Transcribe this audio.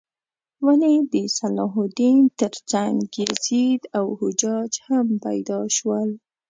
ولې د صلاح الدین تر څنګ یزید او حجاج هم پیدا شول؟